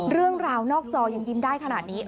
เรื่องราวนอกจอยังยิ้มได้ขนาดนี้